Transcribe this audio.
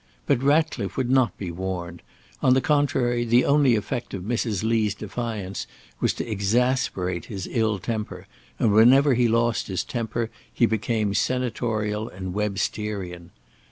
But Ratcliffe would not be warned; on the contrary, the only effect of Mrs. Lee's defiance was to exasperate his ill temper, and whenever he lost his temper he became senatorial and Websterian.